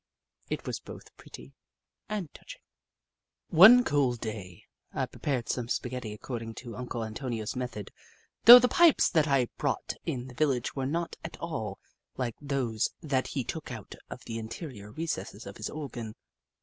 It was both pretty and touching. One cold day, I prepared some spaghetti according to Uncle Antonio's method, though the pipes that I bought in the village were not at all like those that he took out of the interior recesses of his organ.